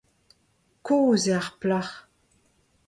Kozh eo ar plac'h.